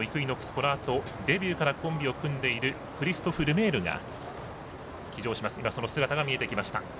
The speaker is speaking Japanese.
このあとデビューからコンビを組んでいるクリストフ・ルメールが騎乗します。